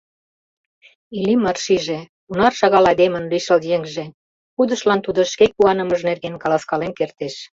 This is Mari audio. Иллимар шиже, кунар шагал айдемын лишыл еҥже, кудыштлан тудо шке куанымыж нерген каласкален кертеш.